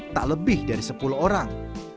tak lebih dari sepuluh orang